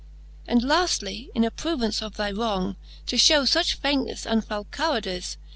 And laftly, in approvance of thy wrong. To fhcw fuch faintnefle and foule cowardize.